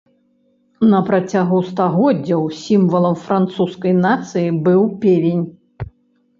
На працягу стагоддзяў сімвалам французскай нацыі быў певень.